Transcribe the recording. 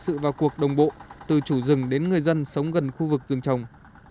có được như vậy là nhờ sự vào cuộc đồng bộ từ chủ rừng đến người dân sống gần khu vực rừng trồng